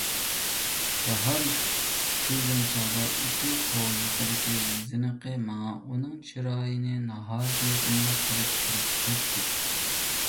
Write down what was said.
باھار كۈلگەن چاغدا ئىككى قوۋزىقىدىكى زىنىقى ماڭا ئۇنىڭ چىرايىنى ناھايىتى يېقىملىق قىلىپ كۆرسىتەتتى.